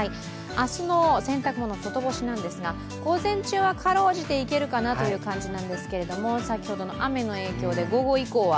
明日の洗濯物、外干しなんですが午前中はかろうじていけるかなという感じなんですが先ほどの雨の影響で午後以降は？